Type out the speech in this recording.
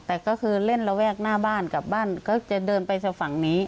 แต่ก็คือเล่นระแวกหน้าบ้านกลับบ้านก็จะเดินไปทางฝั่งนี้